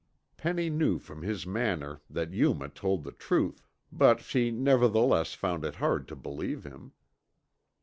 Penny knew from his manner that Yuma told the truth, but she nevertheless found it hard to believe him.